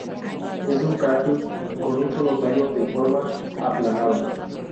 Es un cactus con un solo tallo, de forma aplanada.